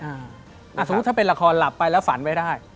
สมมุติถ้าเป็นละครหลับไปแล้วฝันไว้ได้